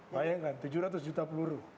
bayangkan tujuh ratus juta peluru